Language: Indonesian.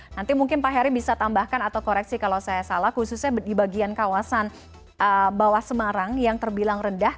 nanti mungkin pak heri bisa tambahkan atau koreksi kalau saya salah khususnya di bagian kawasan bawah semarang yang terbilang rendah